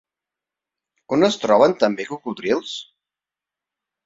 On es troben també cocodrils?